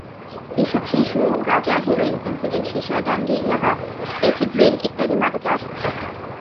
এসব শিশু গাঁজা, হেরোইন, ফেনসিডিল, সিসা, ড্যান্ডি, ইয়াবা, পেথিড্রিন ইত্যাদি মাদকে আসক্ত।